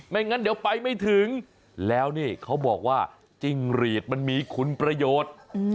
งั้นเดี๋ยวไปไม่ถึงแล้วนี่เขาบอกว่าจิ้งหรีดมันมีคุณประโยชน์